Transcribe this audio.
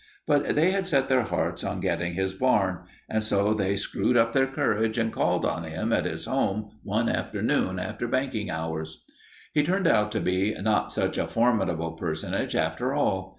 But they had set their hearts on getting his barn, and so they screwed up their courage and called on him at his home one afternoon after banking hours. He turned out to be not such a formidable personage after all.